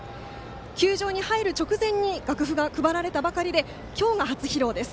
球場に入る直前楽譜が配られたばかりで今日が初披露です。